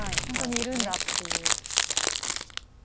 本当にいるんだっていう。